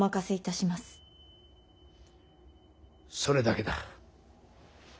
それだけだ。